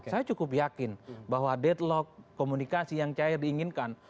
saya cukup yakin bahwa deadlock komunikasi yang cair diinginkan